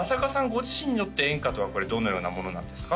ご自身にとって演歌とはこれどのようなものなんですか？